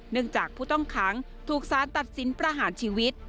จากผู้ต้องขังถูกสารตัดสินประหารชีวิต